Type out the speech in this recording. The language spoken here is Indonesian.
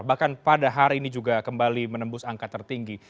bahkan pada hari ini juga kembali menembus angka tertinggi